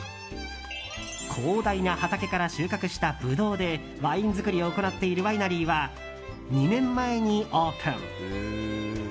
広大な畑から収穫したブドウでワイン造りを行っているワイナリーは２年前にオープン。